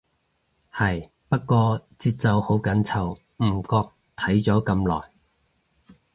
係，不過節奏好緊湊，唔覺睇咗咁耐